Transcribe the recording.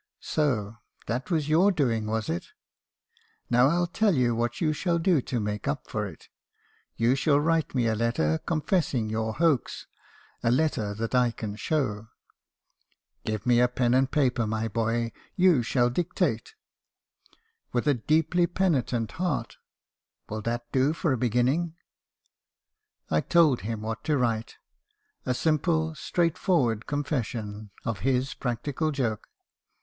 "'So that was your doing, was it? Now I '11 tell you what you shall do to make up for it. You shall write me a letter con fessing your hoax — a letter that I can show." "'Give me pen and paper, my boy; you shall dictate. "With a deeply penitent heart —" will that do for a begin ning?' " I told him what to write ; a simple , straightforward con fession, of his practical joke.